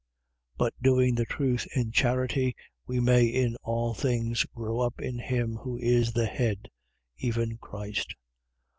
4:15. But doing the truth in charity, we may in all things grow up in him who is the head, even Christ: 4:16.